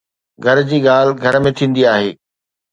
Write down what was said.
گهر جي ڳالهه گهر ۾ ٿيندي آهي.